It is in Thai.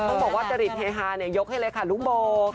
ต้องบอกว่าเจริจเทหายกให้เลยค่ะลุกโบ